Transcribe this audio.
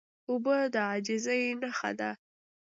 اوبه د عاجزۍ نښه ده.